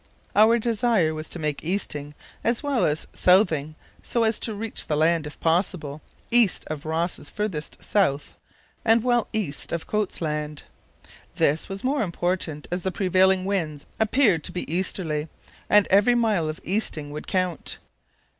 Our desire was to make easting as well as southing so as to reach the land, if possible, east of Ross's farthest South and well east of Coats' Land. This was more important as the prevailing winds appeared to be to easterly, and every mile of easting would count.